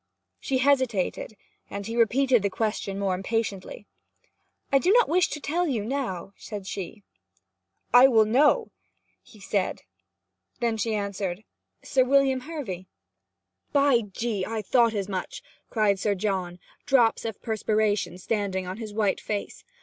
She hesitated, and he repeated the question more impatiently. 'I do not wish to tell you now,' said she. 'But I wooll know!' said he. Then she answered, 'Sir William Hervy.' 'By G I thought as much!' cried Sir John, drops of perspiration standing on his white face.